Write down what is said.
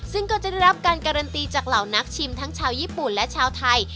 ซึ่งก็จะได้รับการการันตีจากเหล่านักชิมทั้งชาวญี่ปุ่นและชาวไทย